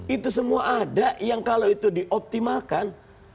itu semua ada yang kalau itu dioptimalkan